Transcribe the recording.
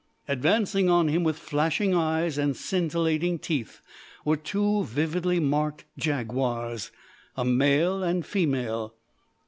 Advancing on him with flashing eyes and scintillating teeth were two vividly marked jaguars a male and female.